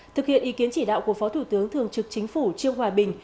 thực hiện ý kiến chỉ đạo của phó thủ tướng thường trực chính phủ trương hòa bình